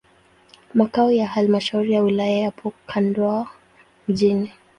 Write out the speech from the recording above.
Makao ya halmashauri ya wilaya yapo Kondoa mjini.